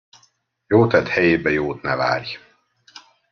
Jótett helyébe jót ne várj.